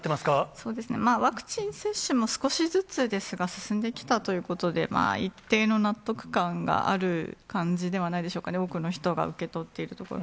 そうですね、ワクチン接種も少しずつですが進んできたということで、一定の納得感がある感じではないでしょうかね、多くの人が受け取っているところ。